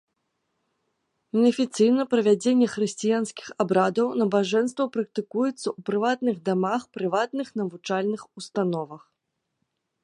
Неафіцыйна правядзенне хрысціянскіх абрадаў, набажэнстваў практыкуецца ў прыватных дамах, прыватных навучальных установах.